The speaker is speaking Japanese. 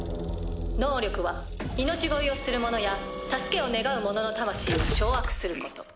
能力は命乞いをする者や助けを願う者の魂を掌握すること。